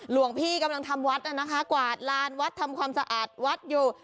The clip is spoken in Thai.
หลวงพี่กำลังทำวัดน่ะนะคะกวาดลานวัดทำความสะอาดวัดอยู่